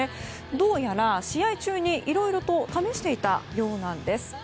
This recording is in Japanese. どうやら、試合中にいろいろと試していたようなんです。